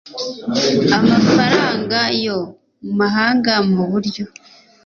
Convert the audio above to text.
amafaranga yo mu mahanga mu buryo